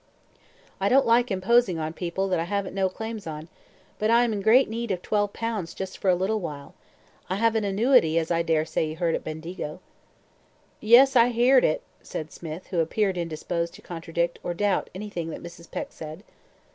"I don't like imposing on people that I haven't no claims on, but I am in great need of twelve pounds just for a little while. I have an annuity, as I dare say you heard at Bendigo." "Yes, I heerd on it," said Smith, who appeared indisposed to contradict or doubt anything that Mrs. Peck said.